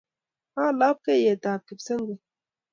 Ak lapkeiye-tab Kipsengwet.